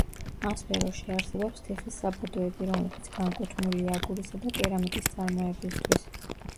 ამ სფეროში არსებობს თიხის საბადოები, რომლებიც განკუთვნილია აგურისა და კერამიკის წარმოებისთვის.